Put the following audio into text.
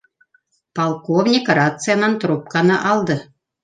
— Полковник рациянан трубканы алды